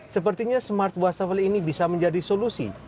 sepertinya smart wastafel ini bisa menjadi solusi